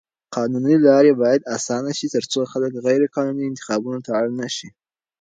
قانوني لارې بايد اسانه شي تر څو خلک غيرقانوني انتخابونو ته اړ نه شي.